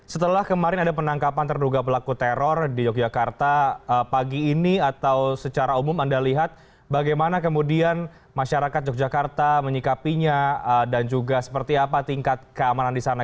setelah kemarin ada penangkapan terduga pelaku teror di yogyakarta pagi ini atau secara umum anda lihat bagaimana kemudian masyarakat yogyakarta menyikapinya dan juga seperti apa tingkat keamanan di sana